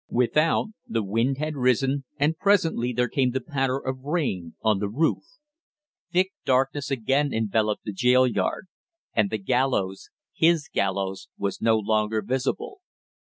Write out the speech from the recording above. Without, the wind had risen and presently there came the patter of rain on the roof. Thick darkness again enveloped the jail yard; and the gallows his gallows was no longer visible.